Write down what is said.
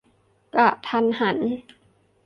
กะทันหัน